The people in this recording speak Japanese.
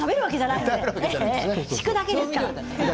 敷くだけですから。